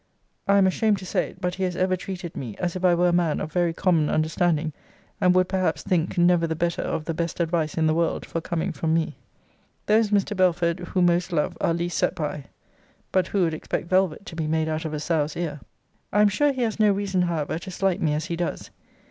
I am ashamed to say it; but he has ever treated me as if I were a man of very common understanding; and would, perhaps, think never the better of the best advice in the world for coming from me. Those, Mr. Belford, who most love, are least set by. But who would expect velvet to be made out of a sow's ear? I am sure he has no reason however to slight me as he does.